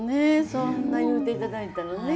そんな言うていただいたらね。